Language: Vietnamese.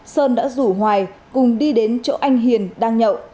sơn đã rủ hoài cùng đi đến chỗ anh hiền đang nhậu